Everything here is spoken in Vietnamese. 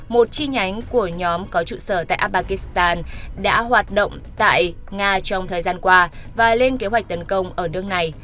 một chi nhánh của nhóm có trụ sở tại afghan đã hoạt động tại nga trong thời gian qua và lên kế hoạch tấn công ở nước này